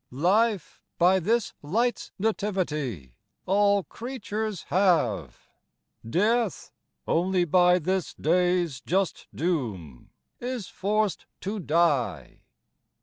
25 Life, by this light's Nativity All creatures have, Death onely by this Dayes just doome is forc't to Dye.